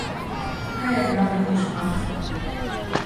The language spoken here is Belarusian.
Хай абраных не шмат.